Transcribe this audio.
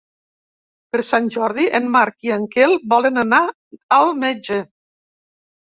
Per Sant Jordi en Marc i en Quel volen anar al metge.